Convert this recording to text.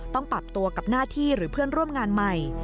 ต้องปรับตัวกับหน้าที่หรือเพื่อนร่วมงานใหม่